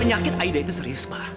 penyakit aida itu serius pak